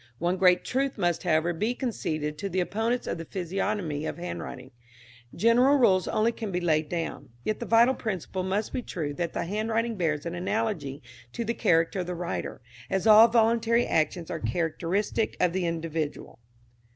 "One great truth must, however, be conceded to the opponents of the physiognomy of handwriting. General rules only can be laid down. Yet the vital principle must be true that the handwriting bears an analogy to the character of the writer, as all voluntary actions are characteristic of the individual."